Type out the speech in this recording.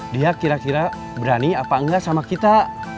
dia kira kira berani apa enggak sama kita